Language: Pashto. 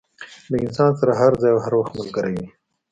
له انسان سره هر ځای او هر وخت ملګری وي.